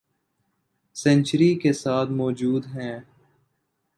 century کے ساتھ موجود ہیں